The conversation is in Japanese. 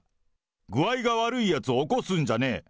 具合が悪いやつを起こすんじゃねえ。